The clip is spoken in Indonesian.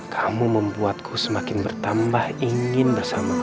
kamu membuatku semakin bertambah ingin bersama kamu